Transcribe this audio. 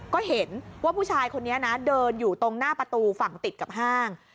ก็เห็นว่าผู้ชายคนนี้นะเดินอยู่ตรงหน้าประตูฝั่งติดกับห้าง